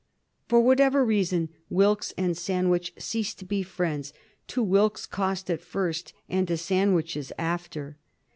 For whatever reason, Wilkes and Sandwich ceased to be friends, to Wilkes's cost at first, and to Sandwich's after.